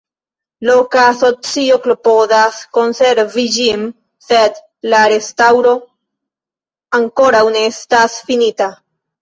Loka asocio klopodas konservi ĝin, sed la restaŭro ankoraŭ ne estas finita.